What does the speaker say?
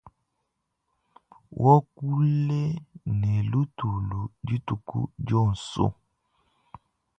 Wakule ne lutulu dituku dionso.